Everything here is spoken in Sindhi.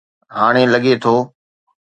هاڻي لڳي ٿو